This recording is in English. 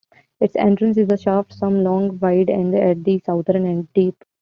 Its entrance is a shaft some long, wide, and at the southern end deep.